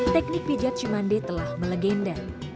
teknik pijat cimande telah melegenda